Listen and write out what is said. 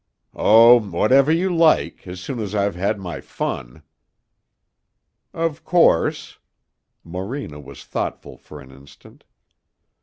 "Oh, whenever you like, as soon as I've had my fun." "Of course " Morena was thoughtful for an instant.